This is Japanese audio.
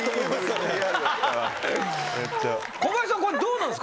小林さん